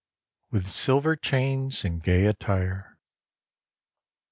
WITH SILVER CHAINS AND GAY ATTIRE.